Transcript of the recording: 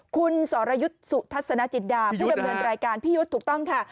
คุณสอรยุทธสนาจินดาพี่ยุทธถูกต้องค่ะ